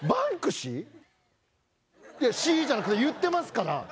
いや「シー」じゃなくて言ってますから。